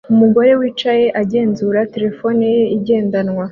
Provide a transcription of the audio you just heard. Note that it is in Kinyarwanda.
Umugore wicaye agenzura terefone ye igendanwa